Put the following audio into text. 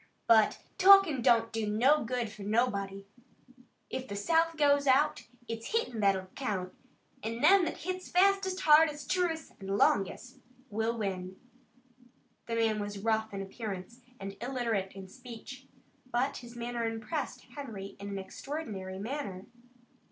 But talkin' don't do no good fur nobody. If the South goes out, it's hittin' that'll count, an' them that hits fastest, hardest, truest an' longest will win." The man was rough in appearance and illiterate in speech, but his manner impressed Harry in an extraordinary manner.